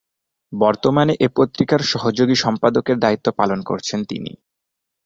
বর্তমানে এ পত্রিকার সহযোগী সম্পাদকের দায়িত্ব পালন করছেন তিনি।